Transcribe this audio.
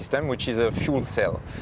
yang merupakan sel perairan